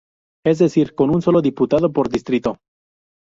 Es decir, con un solo diputado por distrito.